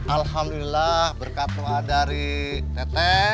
alhamdulillah berkat doa dari tete